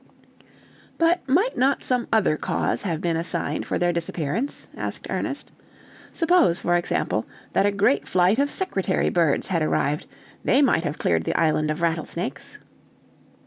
"But might not some other cause have been assigned for their disappearance?" asked Ernest. "Suppose, for example, that a great flight of secretary birds had arrived, they might have cleared the island of rattlesnakes."